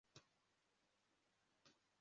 Umugore wogeje izuba yambaye ubusa asoma igitabo